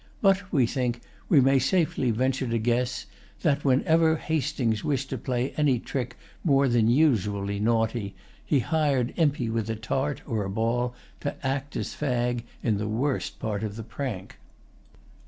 But, we think, we may safely venture to guess that, whenever Hastings wished to play any trick more than usually naughty, he hired Impey with a tart or a ball to act as fag in the worst part of the prank.